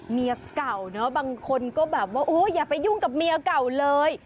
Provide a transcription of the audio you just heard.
เมียเก่าบางคนก็อยากไปยุ่งกับเมียเก่าเลย